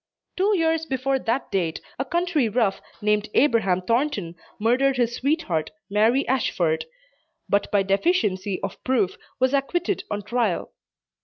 Two years before that date, a country "rough" named Abraham Thornton, murdered his sweetheart, Mary Ashford, but by deficiency of proof was acquitted on trial.